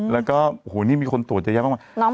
แล้วก็โอ้โหนี่มีคนตรวจเยอะแยะมาก